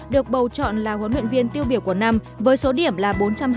được bầu chọn là huấn luyện viên tiêu biểu của năm với số điểm là bốn trăm hai mươi